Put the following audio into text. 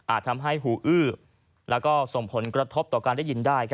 ทำให้หูอื้อและส่งผลกระทบต่อการได้ยินได้